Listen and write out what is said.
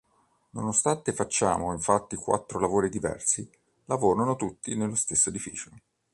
Nonostante facciamo infatti quattro lavori diversi, lavorano tutti nello stesso edificio.